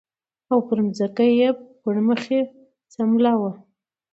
او پر ځمکه یې پړ مخې سملاوه